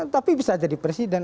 tapi bisa jadi presiden